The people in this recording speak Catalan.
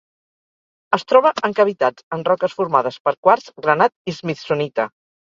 Es troba en cavitats en roques formades per quars, granat i smithsonita.